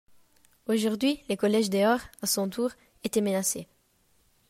Aujourd'hui le collège de Horps, à son tour, était menacé.